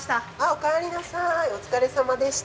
おかえりなさいお疲れさまでした。